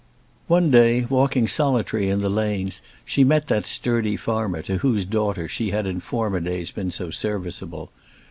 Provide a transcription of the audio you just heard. One day, walking solitary in the lanes, she met that sturdy farmer to whose daughter she had in former days been so serviceable.